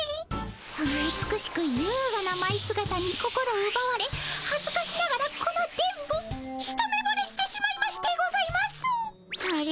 その美しくゆうがなまいすがたに心うばわれはずかしながらこの電ボ一目ぼれしてしまいましてございます。